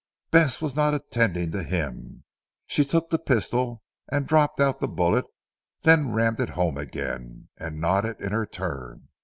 Bess was not attending to him. She took the pistol and dropped out the bullet; then rammed it home again, and nodded in her turn.